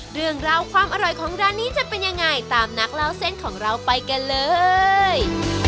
เรื่องราวความอร่อยของร้านนี้จะเป็นยังไงตามนักเล่าเส้นของเราไปกันเลย